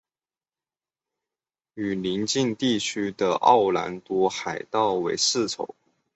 与邻近地区的奥兰多海盗为世仇。